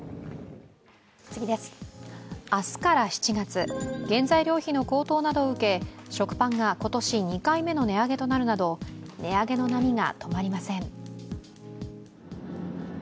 明日から７月、原材料費の高騰などを受け食パンが今年２回目の値上げとなるなど値上げの波が止まりません。